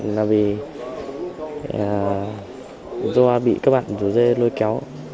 là vì do bị các bạn rủ dê lôi kéo